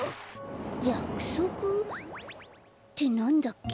やくそく？ってなんだっけ？